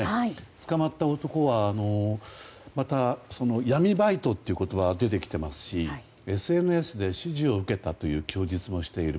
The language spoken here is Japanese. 捕まった男は闇バイトという言葉が出てきていますしＳＮＳで指示を受けたという供述もしている。